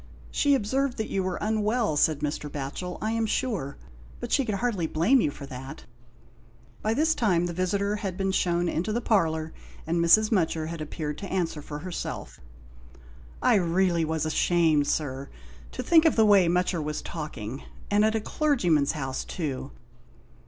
" She observed that you were unwell," said Mr. Batchel, " I am sure ; but she could hardly blame you for that." By this time the visitor had been shewn into the parlour, and Mrs. Mutcher had appeared to answer for herself. 141 THE INDIAN LAMP SHADE. " I really was ashamed, Sir," she said, " to think of the way Mutcher was talking, and a clergyman's 'ouse too.